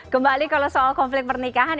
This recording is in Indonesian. kembali kalau soal konflik pernikahan